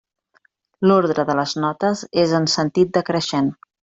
L'ordre de les notes és en sentit decreixent.